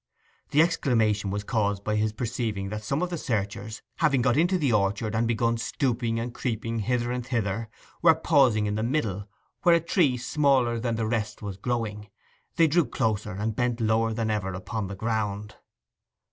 The exclamation was caused by his perceiving that some of the searchers, having got into the orchard, and begun stooping and creeping hither and thither, were pausing in the middle, where a tree smaller than the rest was growing. They drew closer, and bent lower than ever upon the ground.